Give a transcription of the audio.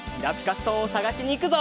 ストーンをさがしにいくぞ！